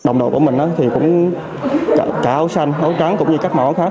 đồng đội của mình thì cũng cả áo xanh áo trắng cũng như các mẫu khác